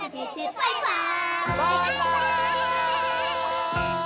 「バイバーイ！」